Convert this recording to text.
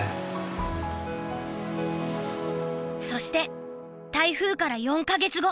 そして台風から４か月後。